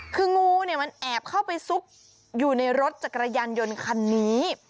คืองูเนี่ยมันแอบเข้าไปซุกอยู่ในรถจักรยานยนต์คันนี้